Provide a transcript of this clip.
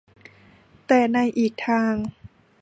แต่ในอีกทาง